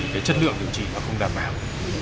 cái chất lượng điều trị nó không đảm bảo